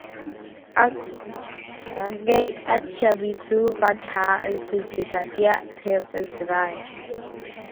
A ngaih a chia mi cu mi vanṭha an si zei ca tiah, hnemh an si lai.